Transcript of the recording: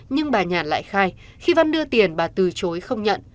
nhưng bà nhàn lại khai khi văn đưa tiền bà từ chối không nhận